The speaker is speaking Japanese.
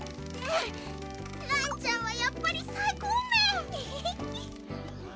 らんちゃんはやっぱり最高メン！